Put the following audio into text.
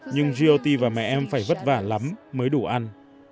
nhưng goot và mẹ em phải vất vả lắm mới đủ ăn